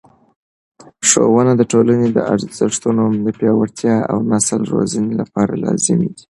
ښوونه د ټولنې د ارزښتونو د پیاوړتیا او نسل روزنې لپاره لازمي ده.